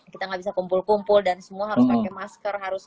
kita nggak bisa kumpul kumpul dan semua harus pakai masker